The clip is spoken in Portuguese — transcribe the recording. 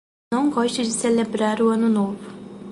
Não gosto de celebrar o ano novo